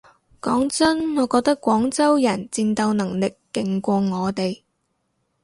講真我覺得廣州人戰鬥能力勁過我哋